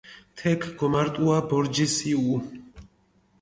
თექ გომარტუა ბორჯის იჸუ.